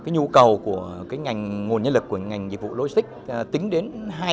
nhu cầu của ngành dịch vụ logistics tính đến hai nghìn hai mươi năm